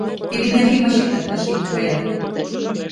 Теве нер йымачетак Начим наҥгаят...